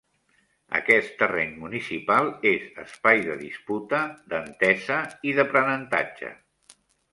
Aquest terreny municipal és espai de disputa, d'entesa i d'aprenentatge.